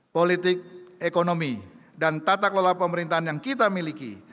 politik ekonomi dan tata kelola pemerintahan yang kita miliki